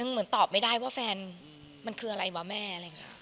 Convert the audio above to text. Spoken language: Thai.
เหมือนตอบไม่ได้ว่าแฟนมันคืออะไรวะแม่